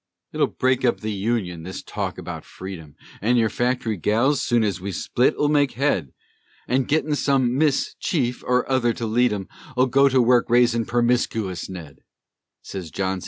"It'll break up the Union, this talk about freedom, An' your fact'ry gals (soon ez we split) 'll make head, An' gittin' some Miss chief or other to lead 'em, 'll go to work raisin' permiscoous Ned," Sez John C.